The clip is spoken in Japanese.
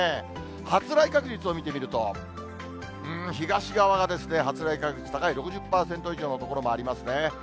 発雷確率を見てみると、東側が発雷確率高い、６０％以上の所もありますね。